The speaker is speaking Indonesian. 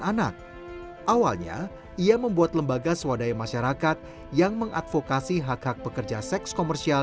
anak awalnya ia membuat lembaga swadaya masyarakat yang mengadvokasi hak hak pekerja seks komersial